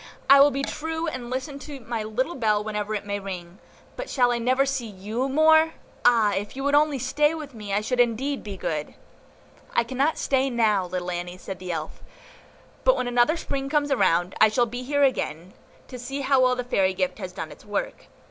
"I will be true, and listen to my little bell whenever it may ring. But shall I never see YOU more? Ah! if you would only stay with me, I should indeed be good." "I cannot stay now, little Annie," said the Elf, "but when another Spring comes round, I shall be here again, to see how well the fairy gift has done its work.